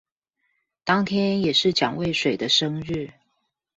當天也是蔣渭水的生日